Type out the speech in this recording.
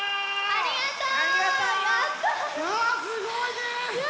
ありがとう！